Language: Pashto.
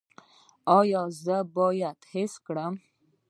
ایا زه باید حس کړم؟